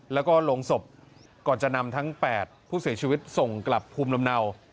แล้วก็ลงศพก่อนจะนำทั้ง๘ผู้เสียชีวิตส่งกลับภูมิลำเนา